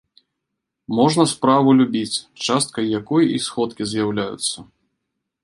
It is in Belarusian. Можна справу любіць, часткай якой і сходкі з'яўляюцца.